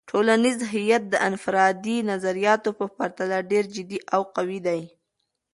ټولنیز هیت د انفرادي نظریاتو په پرتله ډیر جدي او قوي دی.